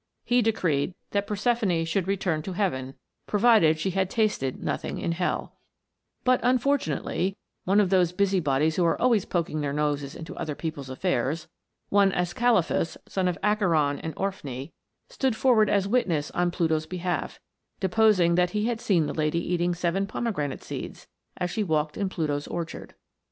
He decreed that Proserpine should return to heaven, provided she had tasted nothing in hell ; but, unfortunately, one of those busybodies who are always poking their noses into other people's affairs, one Ascalaphus, son of Acheron and Orphne, stood forward as witness on Pluto's behalf, deposing that he had seen the lady eating seven pomegranate seeds, as she walked in Pluto's orchard.